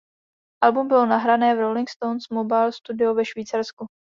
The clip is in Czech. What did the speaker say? Album bylo nahrané v Rolling Stones Mobile Studio ve Švýcarsku.